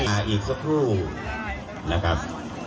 อีกสักครู่นะครับ